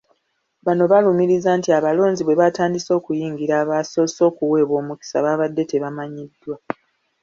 Bano balumiriza nti abalonzi bwe batandise okuyingira abasoose okuweebwa omukisa babadde tebamanyiddwa.